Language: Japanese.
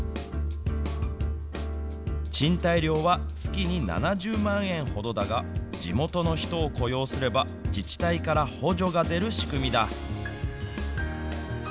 賃貸料は月に７０万円ほどだが、地元の人を雇用すれば自治体から補助が出る仕組みだ。